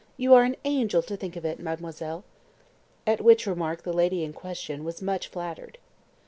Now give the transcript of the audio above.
"You are an angel to think of it, mademoiselle." At which remark the lady in question was much flattered.